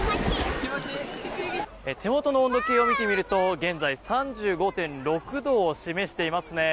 手元の温度計を見てみると現在、３５．６度を示していますね。